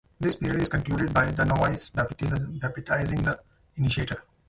This period is concluded by the novice baptizing the initiator.